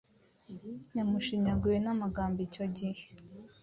yamushinyaguye namagambo icyo gihe